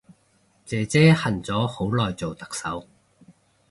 姐姐恨咗好耐做特首